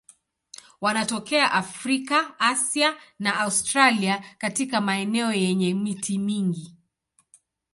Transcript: Wanatokea Afrika, Asia na Australia katika maeneo yenye miti mingi.